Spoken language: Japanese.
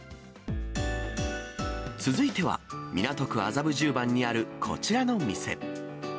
続いては、港区麻布十番にあるこちらの店。